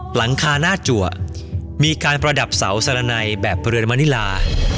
หลังคาหน้าจัวมีการประดับเสาสารไนแบบเรือนมณิลา